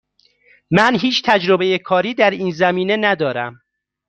من هیچ تجربه کاری در این زمینه ندارم.